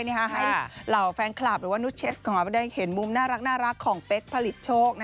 ให้เหล่าแฟนคลับหรือว่านุชเชสของเราได้เห็นมุมน่ารักของเป๊กผลิตโชค